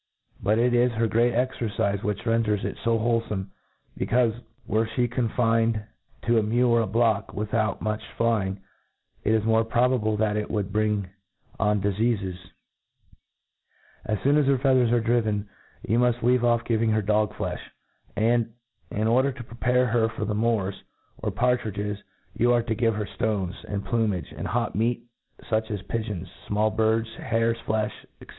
But it is' her great exetcifc which renders it fo wholcfojne j becaufe, were flie confined, to a mew or to a block, without much flying, it is more than probable that it would bring on difeafesi As fdon as her feathers are driven, ydii rtiuft leave off giving her dog's flefli ; and, in order to ^prepare her for the moors, or partridges, you arc to give her ftones, and plumage, and hot meat, fuch as pigeons, fmall birds, hare's flefli, ^ &c.